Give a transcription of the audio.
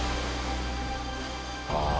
ああ